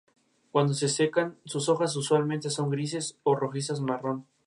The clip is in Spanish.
Cuando se secan, sus hojas usualmente son grises o rojizas marrón.